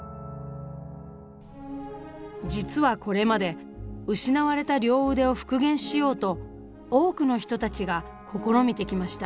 実はこれまで失われた両腕を復元しようと多くの人たちが試みてきました。